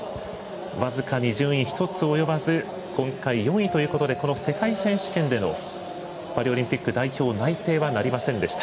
僅かに順位、１つ及ばず今回４位ということでこの世界選手権でのパリオリンピック代表内定はなりませんでした。